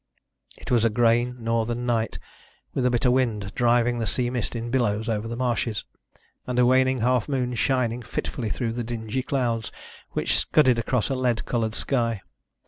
It was a grey northern night, with a bitter wind driving the sea mist in billows over the marshes, and a waning half moon shining fitfully through the dingy clouds which scudded across a lead coloured sky.